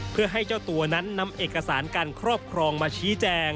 เพื่อให้เจ้าตัวนั้นนำเอกสารการครอบครองมาชี้แจง